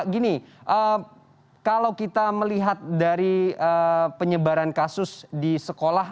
gini kalau kita melihat dari penyebaran kasus di sekolah